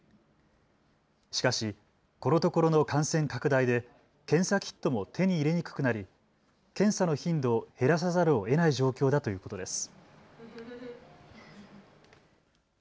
しかし、このところの感染拡大で検査キットも手に入れにくくなり検査の頻度を減らさざるをえない状況だということです。